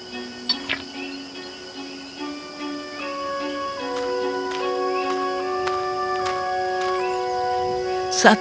saat dia menyentuhnya